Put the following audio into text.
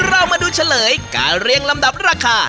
เรามาดูเฉลยการเรียงลำดับราคา